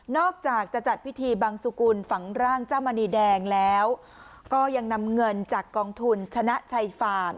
อกจากจะจัดพิธีบังสุกุลฝังร่างเจ้ามณีแดงแล้วก็ยังนำเงินจากกองทุนชนะชัยฟาร์ม